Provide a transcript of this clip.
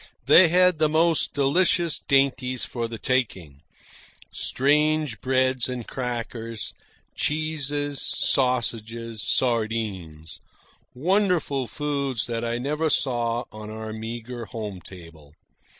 They had the most delicious dainties for the taking strange breads and crackers, cheeses, sausages, sardines wonderful foods that I never saw on our meagre home table.